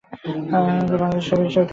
তবে এই ছবি বাংলাদেশি ছবি হিসেবে তৈরি হবে।